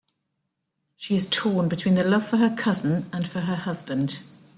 She is torn between the love for her cousin and for her husband.